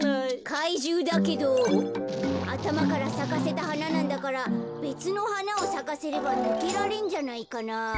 かいじゅうだけどあたまからさかせたはななんだからべつのはなをさかせればぬけられんじゃないかな？